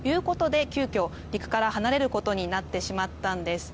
急きょ、陸から離れることになってしまったんです。